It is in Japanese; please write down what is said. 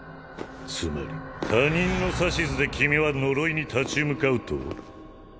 つまり他人の指図で君は呪いに立ち向かうと？